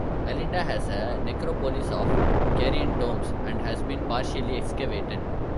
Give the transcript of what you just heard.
Alinda has a necropolis of Carian tombs and has been partially excavated.